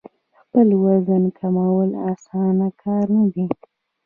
خپل وزن کمول اسانه کار نه دی.